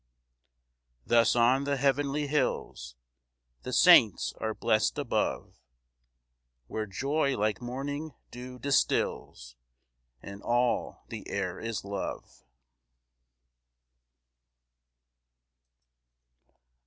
4 Thus on the heavenly hills The saints are blest above, Where joy like morning dew distils, And all the air is love.